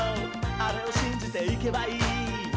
あれをしんじていけばいい」